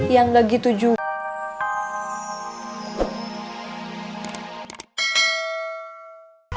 yang gak gitu juga